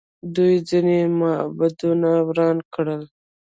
دوی ځینې معبدونه وران کړل